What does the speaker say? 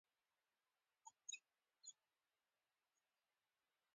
ښوونځی د استاد احترام ښيي